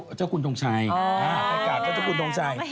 ไปหรืมถนนไปหาเจ้าคุณจงต้องชัย